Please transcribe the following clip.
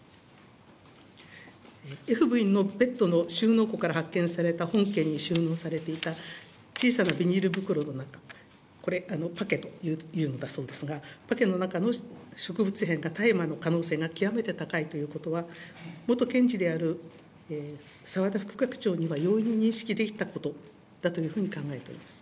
Ｆ部員のベッドの収納庫から発見された本件に収納されていた小さなビニール袋の中、これ、パケというのだそうでありますが、パケの中の植物片が大麻の可能性が極めて高いということは、元検事である澤田副学長には容易に認識できたことだというふうに考えています。